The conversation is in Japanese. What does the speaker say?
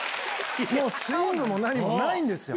もうスイングも何もないんですよ。